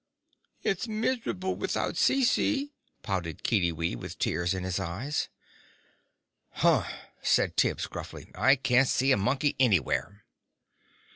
"It's miserable without Cece!" pouted Kiddiwee, with tears in his eyes. "Hum!" said Tibbs gruffly. "I can't see a monkey anywhere!"